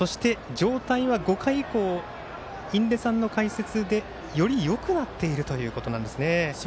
そして、状態は５回以降印出さんの解説でよりよくなっているということなんですね。